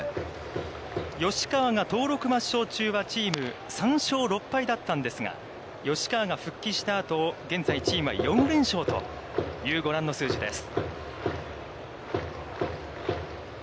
吉川が登録抹消中はチーム、３勝６敗だったんですが、吉川が復帰したあと、現在チームは４連勝というご覧の数字です。